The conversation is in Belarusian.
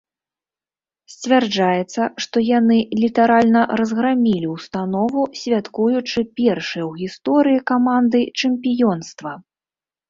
Сцвярджаецца, што яны літаральна разграмілі ўстанову, святкуючы першае ў гісторыі каманды чэмпіёнства.